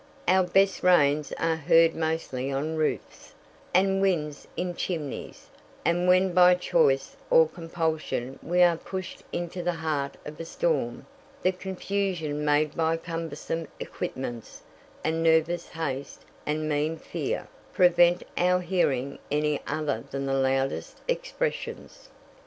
Our best rains are heard mostly on roofs, and winds in chimneys; and when by choice or compulsion we are pushed into the heart of a storm, the confusion made by cumbersome equipments and nervous haste and mean fear, prevent our hearing any other than the loudest expressions.